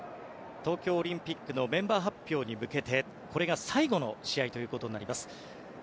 東京オリンピックのメンバー発表に向けてこれが最後の試合ということになります。